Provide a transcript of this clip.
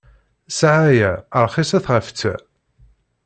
Ssaɛa-a rxiset ɣef ta.